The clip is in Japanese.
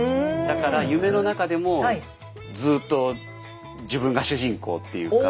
だから夢の中でもずっと自分が主人公っていうか。